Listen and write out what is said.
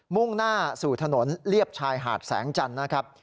มุ่งหน้าสู่ถนนเลียบชายหาดแสงจันทร์นะครับ